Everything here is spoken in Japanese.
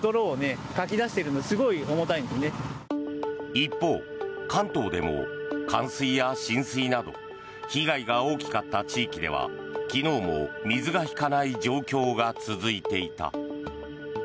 一方、関東でも冠水や浸水など被害が大きかった地域では昨日も水が引かない状況が続いていた。